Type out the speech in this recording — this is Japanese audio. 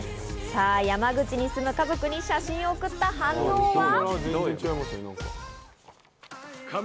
さぁ山口に住む家族に写真を送った反応は？